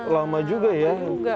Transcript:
lama juga ya